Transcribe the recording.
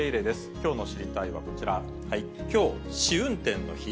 きょうの知りたいッ！はこちら、きょう、試運転の日。